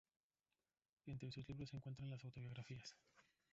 Entre sus libros se encuentran las autobiografías.